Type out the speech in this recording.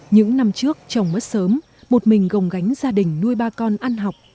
những năm trước chồng mất sớm một mình gồng gánh gia đình nuôi ba con ăn học